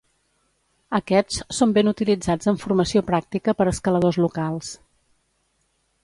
Aquests són ben utilitzats en formació pràctica per escaladors locals.